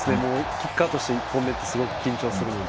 キッカーとして１本目ってすごく緊張するので。